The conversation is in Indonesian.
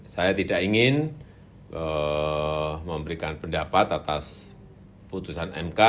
saya tidak ingin memberikan pendapat atas putusan mk